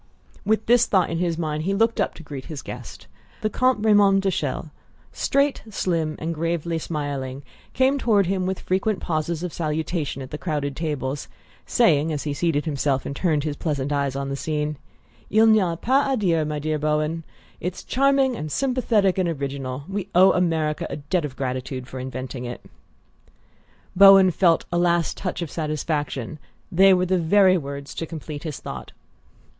With this thought in his mind he looked up to greet his guest. The Comte Raymond de Chelles, straight, slim and gravely smiling, came toward him with frequent pauses of salutation at the crowded tables; saying, as he seated himself and turned his pleasant eyes on the scene: "Il n'y a pas à dire, my dear Bowen, it's charming and sympathetic and original we owe America a debt of gratitude for inventing it!" Bowen felt a last touch of satisfaction: they were the very words to complete his thought.